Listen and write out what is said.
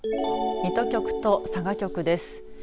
水戸局と佐賀局です。